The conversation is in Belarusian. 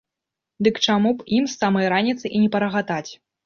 Дык чаму б ім з самай раніцы і не парагатаць.